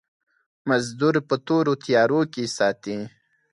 مزدور په تورو تيارو کې ساتي.